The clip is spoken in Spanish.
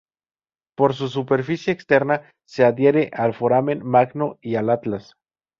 Por su superficie externa, se adhiere al foramen magno y al atlas.